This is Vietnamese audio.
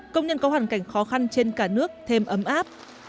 công nhân có hoàn cảnh khó khăn trên cả nước thêm ấm áp